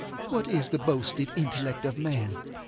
what is the boasted intellect of man?